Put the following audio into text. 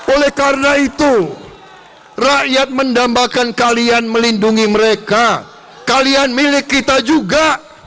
oleh karena itu rakyat mendambakan kalian melindungi mereka kalian milik kita juga